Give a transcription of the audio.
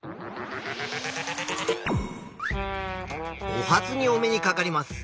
お初にお目にかかります。